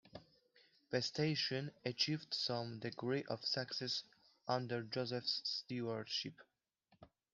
The station achieved some degree of success under Joseph's stewardship.